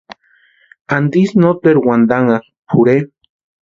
¿Antisï noteru wantanhakʼi pʼorhe?